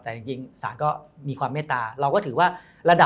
แต่จริงสารก็มีความเมตตา